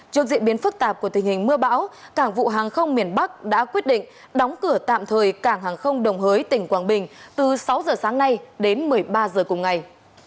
trước diễn biến phức tạp của tình hình mưa bão cảng vụ hàng không miền bắc đã quyết định đóng cửa tạm thời cảng hàng không đồng hới tỉnh quảng bình từ sáu giờ sáng nay đến một mươi ba giờ cùng ngày